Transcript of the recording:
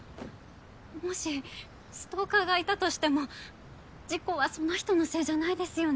もしストーカーがいたとしても事故はその人のせいじゃないですよね？